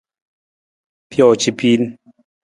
Pijoo ca piin.